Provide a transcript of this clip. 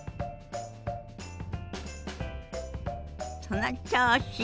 その調子！